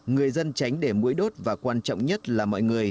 người dân tránh để mũi đốt và quan trọng nhất là mọi người